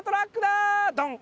ドン！